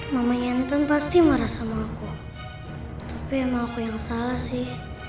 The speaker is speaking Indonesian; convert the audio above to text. mama yanton pasti marah sama aku tapi emang aku yang salah sih